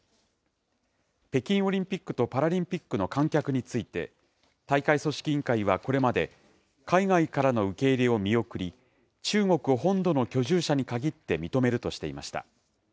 北京オリンピックとパラリンピックの観客について、大会組織委員会はこれまで、海外からの受け入れを見送り、中国本土の居住者に限って認めるとしていました。